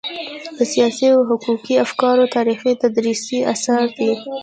د سياسي او حقوقي افکارو تاریخ تدريسي اثر دی.